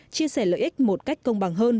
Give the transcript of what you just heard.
chia sẻ lợi ích một cách công bằng hơn